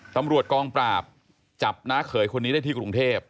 ตำรวจกองปราบจับน้าเขยคนนี้ได้ที่กรุงเทพ